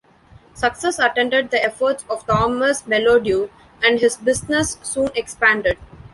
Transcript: Success attended the efforts of Thomas Mellodew and his business soon expanded.